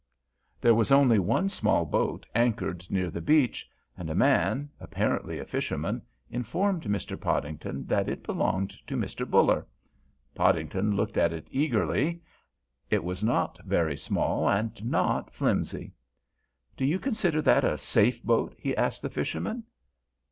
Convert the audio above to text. There was only one small boat anchored near the beach, and a man—apparently a fisherman—informed Mr. Podington that it belonged to Mr. Buller. Podington looked at it eagerly; it was not very small and not flimsy. "Do you consider that a safe boat?" he asked the fisherman.